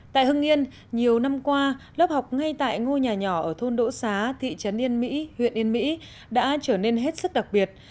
tại hưng yên nhiều năm qua lớp học ngay tại ngôi nhà nhỏ ở thôn đỗ xá thị trấn yên mỹ huyện yên mỹ đã trở nên hết sức đặc biệt